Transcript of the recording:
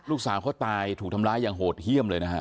ลูกสาวเขาตายถูกทำร้ายอย่างโหดเยี่ยมเลยนะฮะ